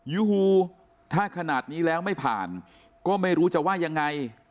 ยูฮูถ้าขนาดนี้แล้วไม่ผ่านก็ไม่รู้จะว่ายังไง